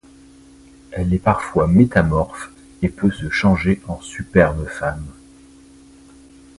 Elle est parfois métamorphe et peut se changer en superbe femme.